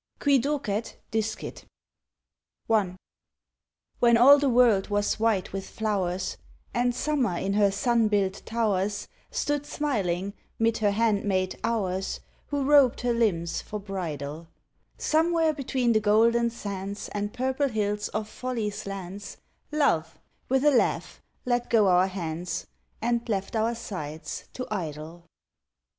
QUI DOCET, DISCIT. I. When all the world was white with flowers, And Summer, in her sun built towers, Stood smiling 'mid her handmaid Hours, Who robed her limbs for bridal; Somewhere between the golden sands And purple hills of Folly's lands, Love, with a laugh, let go our hands, And left our sides to idle.